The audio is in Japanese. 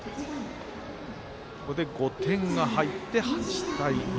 ここで５点が入って８対２。